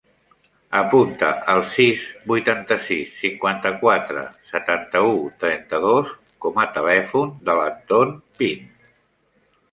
Apunta el sis, vuitanta-sis, cinquanta-quatre, setanta-u, trenta-dos com a telèfon de l'Anton Pin.